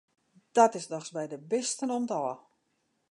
Dat is dochs by de bisten om't ôf!